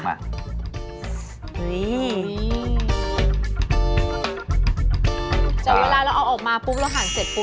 นี่